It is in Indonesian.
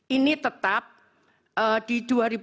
ini tetap di dua ribu dua puluh